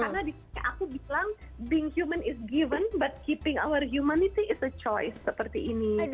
karena aku bilang being human is given but keeping our humanity is a choice seperti ini